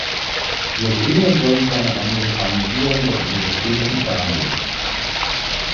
Wir Grünen wollen keine Amerikanisierung des europäischen Fernsehens.